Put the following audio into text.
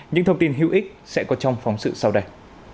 những thông tin hữu ích sẽ có trong phóng sự sau đây